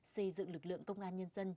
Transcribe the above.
xây dựng lực lượng công an nhân dân